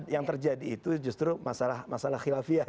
yang terjadi itu justru masalah khilafiah